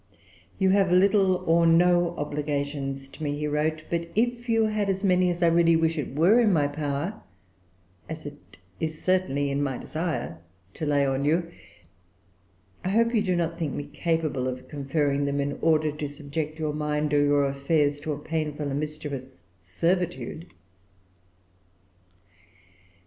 "You have little or no obligations to me," he wrote; "but if you had as many as I really wish it were in my power, as it is certainly in my desire, to lay on you, I hope you do not think me capable of conferring them, in order to subject your mind or your affairs to a painful and mischievous servitude."